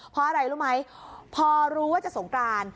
เพราะอะไรรู้ไหมพอรู้ว่าจะสงกราน